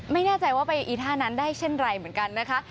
ไม่แน่ใจว่าไปอีท่านั้นได้เช่นไรเหมือนกันนะคะ